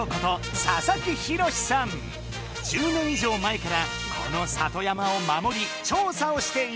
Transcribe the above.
１０年以上前からこの里山を守り調査をしている。